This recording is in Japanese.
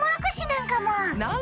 なんかも？